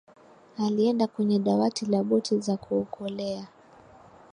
alienda kwenye dawati la boti za kuokolea